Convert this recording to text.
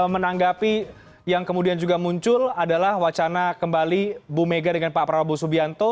menanggapi yang kemudian juga muncul adalah wacana kembali bu mega dengan pak prabowo subianto